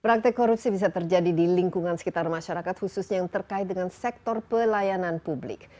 praktek korupsi bisa terjadi di lingkungan sekitar masyarakat khususnya yang terkait dengan sektor pelayanan publik